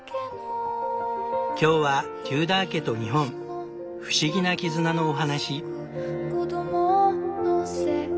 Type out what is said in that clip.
今日はテューダー家と日本不思議な絆のお話。